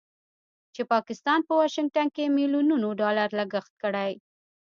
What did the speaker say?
چې پاکستان په واشنګټن کې مليونونو ډالر لګښت کړی